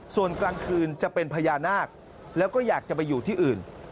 ส่วนกลางคืนจะเป็นพญานาคแล้วก็อยากจะไปอยู่ที่อื่น